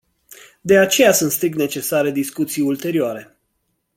De aceea sunt strict necesare discuții ulterioare.